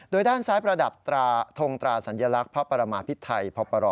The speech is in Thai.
โดยด้านซ้ายประดับทราทรงตราสัญลักษณ์พระประมาพิธัยพระประหล่อ